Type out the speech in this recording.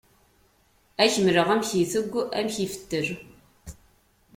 Ad ak-mleɣ amek itegg, amek ifettel.